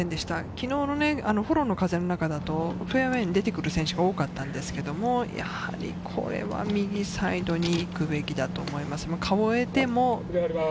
昨日のフォローの風の中だとフェアウエーに出てくる選手が多かったんですけれど、やはりこれは右サイドに行くべきだと思います。